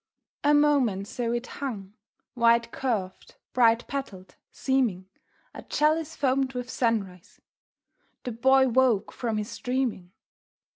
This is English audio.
A moment so it hung, wide curved, bright petalled, seeming A chalice foamed with sunrise. The Boy woke from his dreaming.